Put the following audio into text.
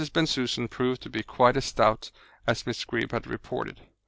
Bensusan proved to be quite as stout as Miss Greeb had reported.